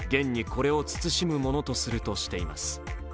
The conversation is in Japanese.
これを慎むものとするとしています。